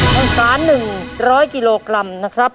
ทางสารหนึ่ง๑๐๐กิโลกรัมนะครับ